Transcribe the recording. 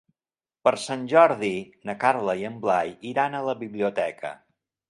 Per Sant Jordi na Carla i en Blai iran a la biblioteca.